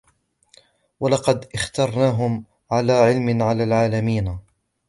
ولقد اخترناهم على علم على العالمين